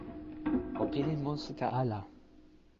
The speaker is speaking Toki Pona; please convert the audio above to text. o pilin monsuta ala.